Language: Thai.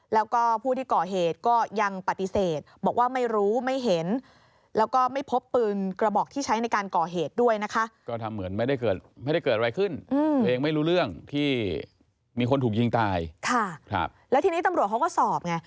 แล้วทีนี้ตำรวจเขาก็สอบ